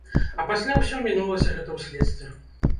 А пасля ўсё мінулася гэта ў следстве.